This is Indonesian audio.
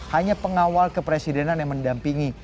hanya pengawal kepresidenan yang mendampingi